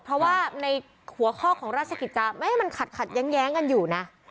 เพราะว่าในหัวข้อของราชกิจจะไม่ให้มันขัดแย้งกันอยู่นะ